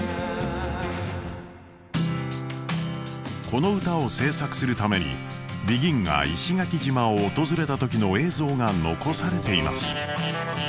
この歌を制作するためにＢＥＧＩＮが石垣島を訪れた時の映像が残されています。